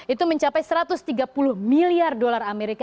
itu mencapai satu ratus tiga puluh miliar dolar amerika